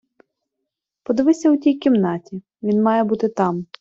Подивися у тій кімнаті, він має бути там.